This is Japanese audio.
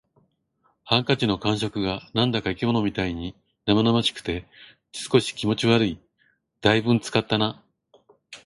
ハンカチの感触が何だか生き物みたいに生々しくて、少し気持ち悪い。「大分使ったな」